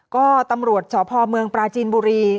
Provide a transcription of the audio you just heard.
ก็ตำรวจสพเมืองปราจีนบุรี